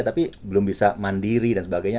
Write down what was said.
tapi belum bisa mandiri dan sebagainya